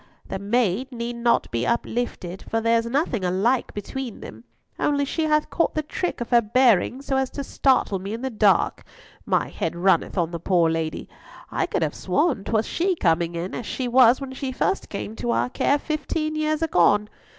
The maid need not be uplifted, for there's nothing alike between them, only she hath caught the trick of her bearing so as to startle me in the dark, my head running on the poor lady. I could have sworn 'twas she coming in, as she was when she first came to our care fifteen years agone.